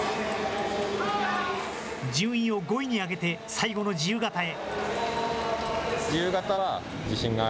順位を５位に上げて最後の自由形へ。